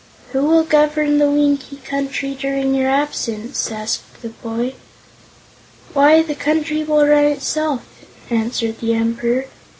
"Who will govern the Winkie Country during your absence?" asked the boy. "Why, the Country will run itself," answered the Emperor.